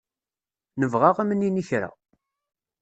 Nebɣa ad am-nini kra.